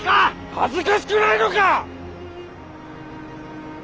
恥ずかしくないのか！